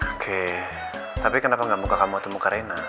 oke tapi kenapa gak muka kamu atau muka rena